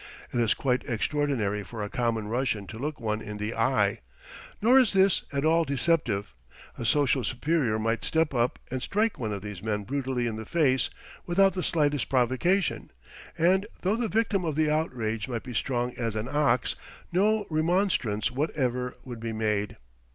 It is quite extraordinary for a common Russian to look one in the eye. Nor is this at all deceptive; a social superior might step up and strike one of these men brutally in the face without the slightest provocation, and, though the victim of the outrage might be strong as an ox, no remonstrance whatever would be made.